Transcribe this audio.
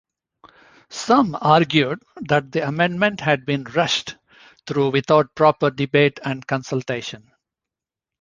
Some argued that the amendment had been rushed through without proper debate and consultation.